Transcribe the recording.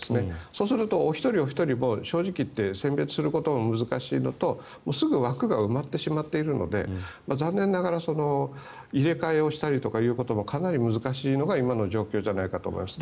そうするとおひとりおひとり正直言って選別することも難しいのとすぐ枠が埋まってしまっているので残念ながら入れ替えをしたりということもかなり難しいのが今の状況だと思います。